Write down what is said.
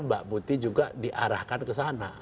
mbak putih juga diarahkan ke sana